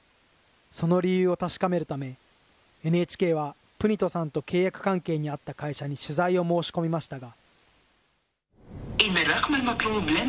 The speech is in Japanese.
その理由を確かめるため、ＮＨＫはプニトさんと契約関係にあった会社に取材を申し込みましたが。